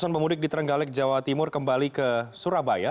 pemudik di terenggalek jawa timur kembali ke surabaya